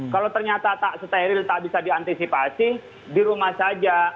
kalau ternyata tak steril tak bisa diantisipasi di rumah saja